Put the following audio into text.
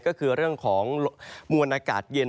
ก็คือเรื่องของมวลอากาศเย็น